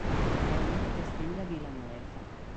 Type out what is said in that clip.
Venim del Castell de Vilamalefa.